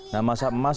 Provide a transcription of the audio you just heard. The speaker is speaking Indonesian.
nah masa emas